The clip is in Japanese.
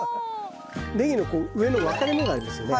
ネギの上の分かれ目がありますよね。